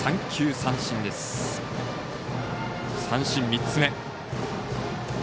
三振３つ目。